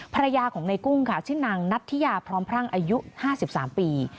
ภรรยาของในกุ้งค่ะชื่อนางนัทธิยาพร้อมพรั่งอายุ๕๓ปี